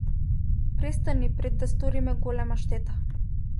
Престани пред да сториме голема штета.